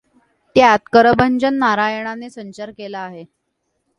त्यात करभंजन नारायणाने संचार केला आहे.